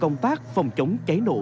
công tác phòng chống cháy nổ